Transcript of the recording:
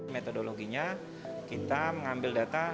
metodologinya kita mengambil data